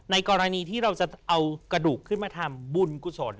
กรณีที่เราจะเอากระดูกขึ้นมาทำบุญกุศล